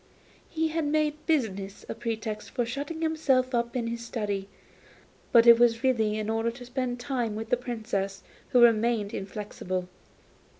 He made business a pretext for shutting himself up in his study, but it was really in order to spend the time with the Princess, who remained inflexible.